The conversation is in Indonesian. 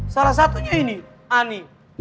salah satunya ini ani